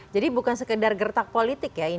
jadi bukan sekedar gertak politik ya ini